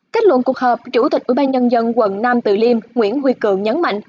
kết luận cuộc họp chủ tịch ủy ban nhân dân quận nam tự liêm nguyễn huy cường nhấn mạnh